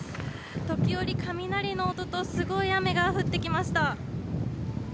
時折、雷の音とすごい雨が降ってきました。